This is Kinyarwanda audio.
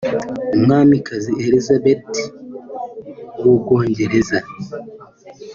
umwamikazi Elisabeth I w’ubwongereza